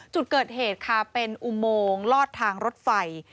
จุดเกิดเหตุค่ะเป็นอุโมงลอดทางรถไฟ